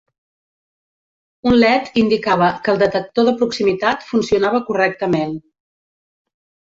Un LED indicava que el detector de proximitat funcionava correctament.